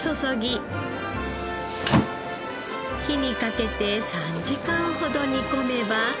火にかけて３時間ほど煮込めば。